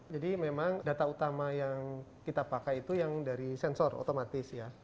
jadi memang data utama yang kita pakai itu yang paling penting